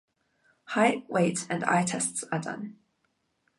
Height, weight and eye tests are done.